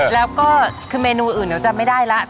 แล้วก็คือเมนูอื่นเดี๋ยวจะไม่ได้แล้ว